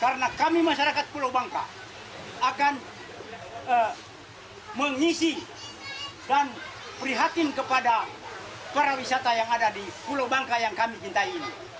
karena kami masyarakat pulau bangka akan mengisi dan prihatin kepada para wisata yang ada di pulau bangka yang kami pintai ini